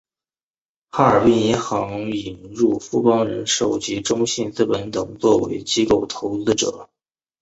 哈尔滨银行引入富邦人寿及中信资本等作为机构投资者。